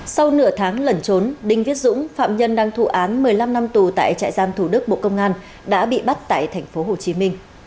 sau nửa tháng lẩn trốn đinh viết dũng phạm nhân đang thụ án một mươi năm năm tù tại trại giam thủ đức bộ công an đã bị bắt tại tp hcm